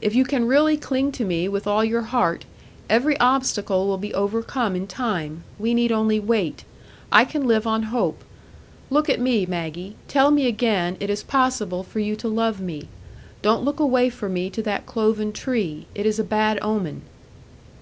If you can really cling to me with all your heart, every obstacle will be overcome in time; we need only wait. I can live on hope. Look at me, Maggie; tell me again it is possible for you to love me. Don't look away from me to that cloven tree; it is a bad omen."